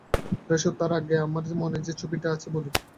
রোসো, তার আগে আমার মনে যে ছবিটা আছে বলি।